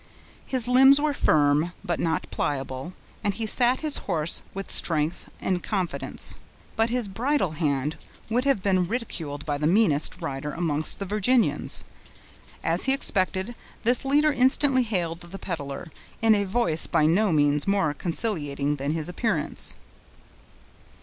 His limbs were firm, and not pliable, and he sat his horse with strength and confidence, but his bridle hand would have been ridiculed by the meanest rider amongst the Virginians. As he expected, this leader instantly hailed the peddler, in a voice by no means more conciliating than his appearance.